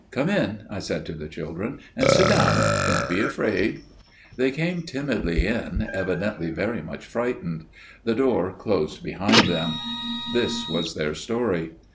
"Come in," I said to the children, "and sit down. Don't be afraid." They came timidly in, evidently very much frightened. The door closed behind them. This was their story.